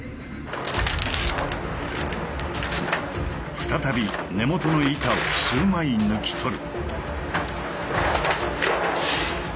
再び根元の板を数枚抜き取る。